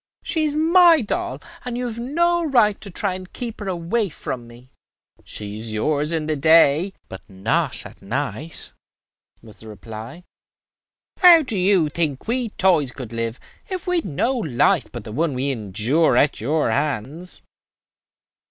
"She is my doll, and you have no right to try to keep her away from me." "She is yours in the day, but not at night," was the reply. "How do you think we toys could live if we had no life but the one we endure at your hands?